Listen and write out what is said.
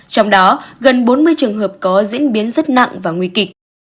trong đó gần bốn mươi trường hợp có diễn biến rất nặng và nguy kịch